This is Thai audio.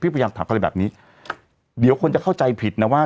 พยายามถามอะไรแบบนี้เดี๋ยวคนจะเข้าใจผิดนะว่า